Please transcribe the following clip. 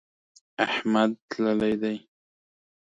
احمد تللی دی.